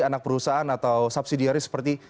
anak perusahaan atau subsidiari seperti